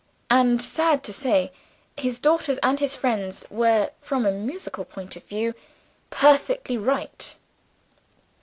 And, sad to say, his daughters and his friends were, from a musical point of view, perfectly right.